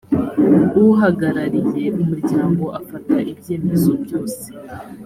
uhagarariye umuryango afata ibyemezo byose